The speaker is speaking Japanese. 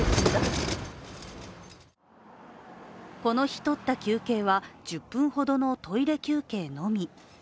この日取った休憩は１０分ほどのトイレ休憩のみ。